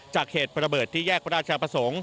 จากเหตุประเบิดที่แยกประชาประสงค์